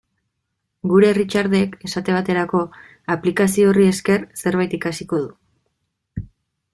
Gure Richardek, esate baterako, aplikazio horri esker zerbait ikasiko du.